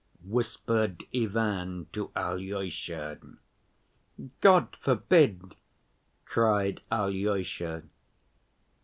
whispered Ivan to Alyosha. "God forbid!" cried Alyosha.